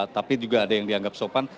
tapi juga ada yang dianggap sopan